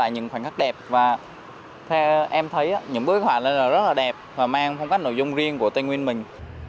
những khoảnh khắc đẹp và theo em thấy những bức họa lên là rất là đẹp và mang phong cách nội dung riêng của tây nguyên mình